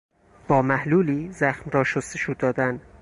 با محلولی زخم را شستشو دادن